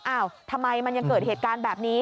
อ้าวทำไมมันยังเกิดเหตุการณ์แบบนี้